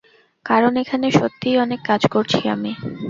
কারণ এখানে সত্যিই অনেক কাজ করছি আমি।